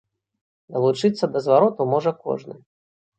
Далучыцца да звароту можа кожны.